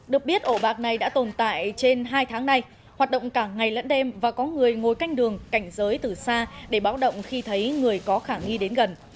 được biết ổ bạc này đã tồn tại trên hai tháng nay hoạt động cả ngày lẫn đêm và có người ngồi canh đường cảnh giới từ xa để báo động khi thấy người có khả nghi đến gần